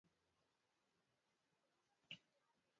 Migawo mar Yiero Jowuoth kod